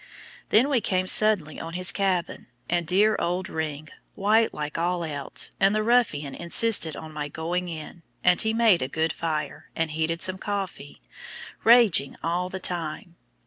Then we came suddenly on his cabin, and dear old "Ring," white like all else; and the "ruffian" insisted on my going in, and he made a good fire, and heated some coffee, raging all the time.